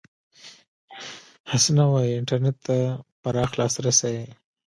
حسنه وايي، انټرنېټ ته پراخ لاسرسي